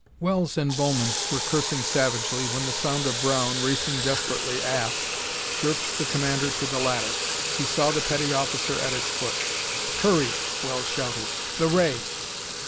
Wells and Bowman were cursing savagely when the sound of Brown, racing desperately aft, jerked the commander to the ladder. He saw the petty officer at its foot. "Hurry!" Wells shouted. "The ray!"